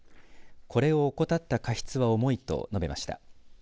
これを怠った過失は重いと述べました。